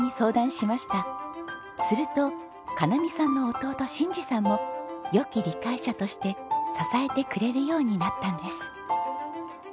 すると香奈見さんの弟信治さんも良き理解者として支えてくれるようになったんです。